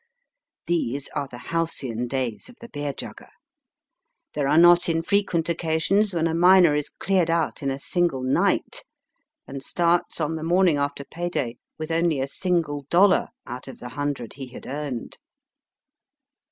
These are the halcyon days of the beer jugger. There are not infrequent occasions when a miner is cleared out in a single night, and starts on the morning after pay day with only a single dollar out of the hundred he had earned.